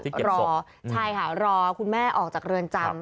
รอใช่ค่ะรอคุณแม่ออกจากเรือนจำ